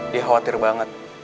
dia khawatir banget